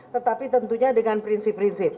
tetapi tentunya dengan prinsip prinsip